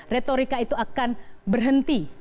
retorika itu akan berhenti